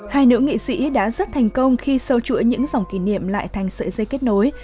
hai nữ nghị sĩ đã rất thành công khi sâu chuỗi những dòng kỷ niệm lại thành sợi dây kết nối